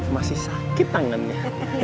masih sakit tangannya